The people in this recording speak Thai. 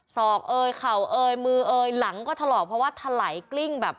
ศอกเอยเข่าเอ่ยมือเอยหลังก็ถลอกเพราะว่าถลายกลิ้งแบบ